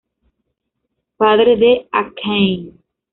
Padre de Akane.